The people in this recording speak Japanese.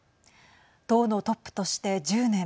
党のトップとして１０年。